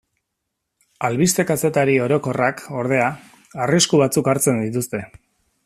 Albiste-kazetari orokorrak, ordea, arrisku batzuk hartzen dituzte.